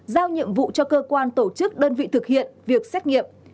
giao nhiệm vụ cho cơ quan tổ chức đơn vị thực hiện việc xét nghiệm